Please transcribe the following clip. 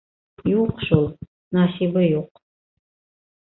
Юҡ шул, насибы юҡ.